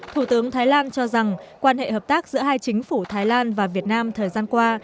thủ tướng thái lan cho rằng quan hệ hợp tác giữa hai chính phủ thái lan và việt nam thời gian qua